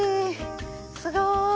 すごい！